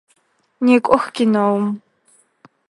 Некӏох киноум!